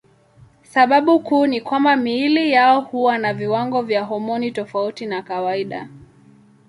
Sababu kuu ni kwamba miili yao huwa na viwango vya homoni tofauti na kawaida.